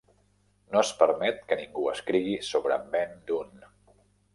No es permet que ningú escrigui sobre Ben Dunne.